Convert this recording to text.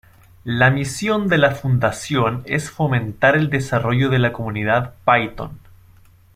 La misión de la fundación es fomentar el desarrollo de la comunidad Python.